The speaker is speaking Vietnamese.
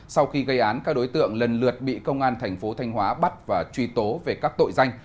sau khi gây án các đối tượng lần lượt bị công an thành phố thanh hóa bắt và truy tố về các tội danh